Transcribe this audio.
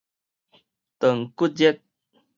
斷骨熱